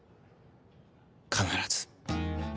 必ず。